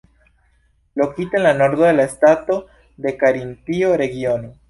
Lokita en la nordo de la stato de Karintio regiono.